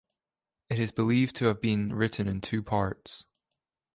It is believed to have been written in two parts.